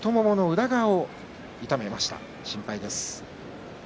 裏側を痛めました、心配です。